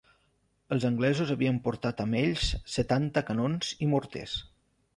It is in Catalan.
Els anglesos havien portat amb ells setanta canons i morters.